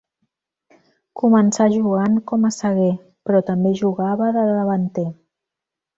Començà jugant com a saguer, però també jugava de davanter.